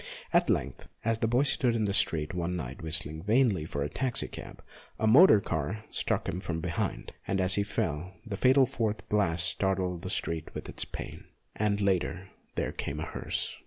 At length, as the boy stood in the street one night whistling vainly for a taxi cab, a motor car struck him from behind, and as he fell the fatal fourth blast startled the street with its pain. And later there came a hearse.